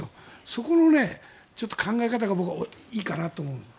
そこの考え方が僕いいかなと思う。